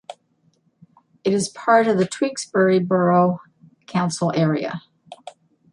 It is part of the Tewkesbury Borough Council area.